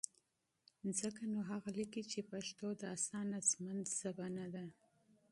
ځکه نو هغه لیکي، چې پښتو د اسانه ژوند ژبه نه ده؛